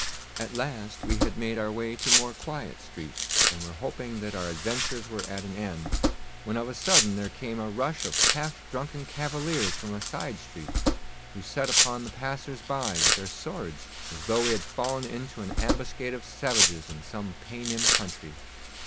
At last we had made our way to more quiet streets, and were hoping that our adventures were at an end, when of a sudden there came a rush of half drunken cavaliers from a side street, who set upon the passers by with their swords, as though we had fallen into an ambuscade of savages in some Paynim country.